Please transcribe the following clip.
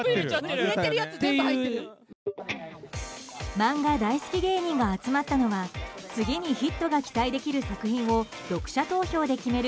漫画大好き芸人が集まったのは次にヒットが期待できる作品を読者投票で決める